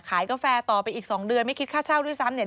กาแฟต่อไปอีก๒เดือนไม่คิดค่าเช่าด้วยซ้ำเนี่ย